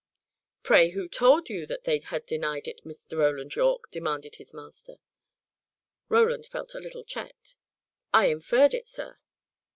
"Pray who told you they had denied it, Mr. Roland Yorke?" demanded his master. Roland felt a little checked. "I inferred it, sir."